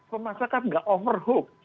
pemasarkan nggak overhook